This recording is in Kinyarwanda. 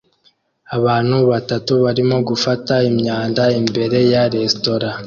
abantu batatu barimo gufata imyanda imbere ya resitora